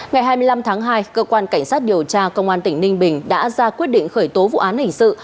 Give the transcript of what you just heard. ngày hai mươi năm tháng hai cơ quan cảnh sát điều tra công an tỉnh ninh bình đã ra quyết định khởi tố vụ án hình sự